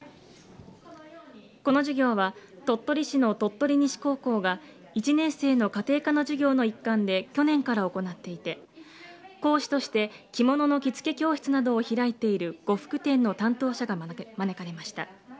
この授業は鳥取市の鳥取西高校が１年生の家庭科の授業の一環で去年から行っていて講師として地元の着付け教室などを開いている呉服店の担当者が招かれました。